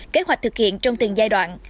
kế hoạch thực hiện trong từng giai đoạn